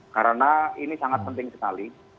karena ini sangat penting sekali